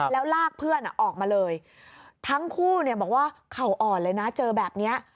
แล้วลากเพื่อนออกมาเลยทั้งคู่บอกว่าเข่าอ่อนเลยนะเจอแบบนี้